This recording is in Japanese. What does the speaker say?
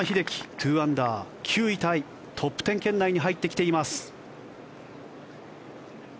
２アンダー、９位タイトップ１０圏内に入ってきています。